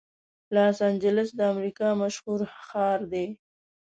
لاس انجلس د امریکا مشهور ښار دی.